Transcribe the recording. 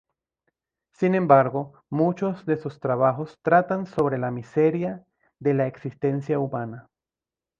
Sin embargo, muchos de sus trabajos tratan sobre la miseria de la existencia humana.